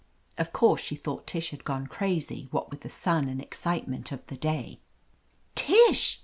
Of course she thought Tish had gone crazy, what with the sun and excite ment of the day. "Tish